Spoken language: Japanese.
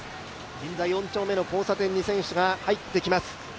銀座四丁目の交差点に選手が入ってきます。